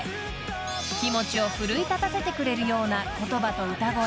［気持ちを奮い立たせてくれるような言葉と歌声。